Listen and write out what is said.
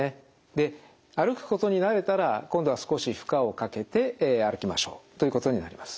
で歩くことに慣れたら今度は少し負荷をかけて歩きましょうということになります。